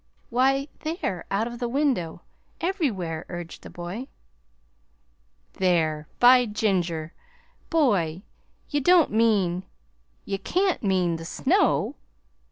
"Why, there out of the window everywhere," urged the boy. "THERE! By ginger! boy ye don't mean ye CAN'T mean the SNOW!"